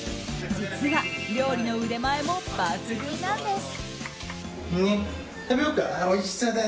実は料理の腕前も抜群なんです。